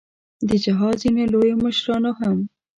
د جهاد ځینو لویو مشرانو هم.